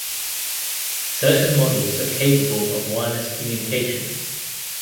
Certain models are capable of wireless communication.